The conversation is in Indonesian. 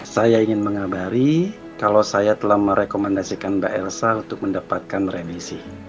saya ingin mengabari kalau saya telah merekomendasikan mbak elsa untuk mendapatkan remisi